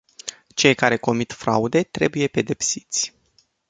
Cei care comit fraude trebuie pedepsiți.